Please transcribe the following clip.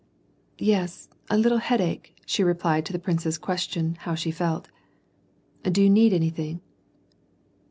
" Yes, a little headache," she replied to the prince's ques tion how she felt. " Do you need anything